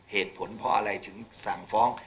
เหตุผลเพราะอะไรถึงสั่งฟ้อง